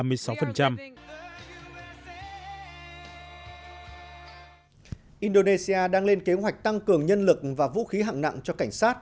indonesia đang lên kế hoạch tăng cường nhân lực và vũ khí hạng nặng cho cảnh sát